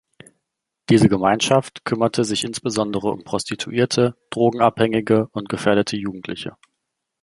Diese Gemeinschaft kümmerte sich insbesondere um Prostituierte, Drogenabhängige und gefährdete Jugendliche.